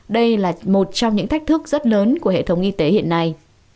đây là một trong những thách thức rất lớn của hệ thống y tế hiện nay